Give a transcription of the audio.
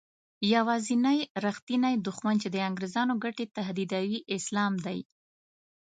یوازینی رښتینی دښمن چې د انګریزانو ګټې تهدیدوي اسلام دی.